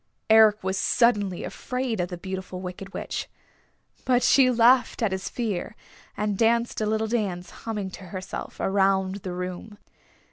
Eric was suddenly afraid of the Beautiful Wicked Witch. But she laughed at his fear, and danced a little dance, humming to herself, around the room.